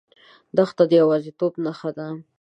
دښته د یوازیتوب نښه ده.